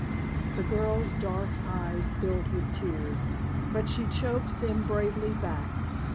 The girl's dark eyes filled with tears, but she choked them bravely back.